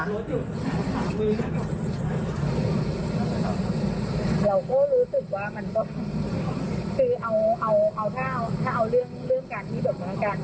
เราก็รู้สึกว่ามันก็คือเอาถ้าเอาเรื่องการโทรกัน